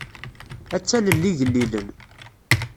Ad talel igellilen.